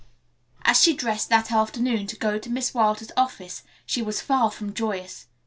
As she dressed that afternoon to go to Miss Wilder's office she was far from joyous.